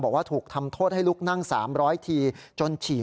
บอกว่าถูกทำโทษให้ลุกนั่ง๓๐๐ทีจนฉี่